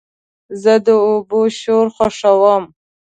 زه د اوبو شور خوښوم.